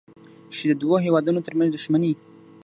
چې د دوو هېوادونو ترمنځ دوښمني